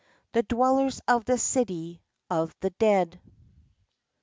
The dwellers of the City of the Dead.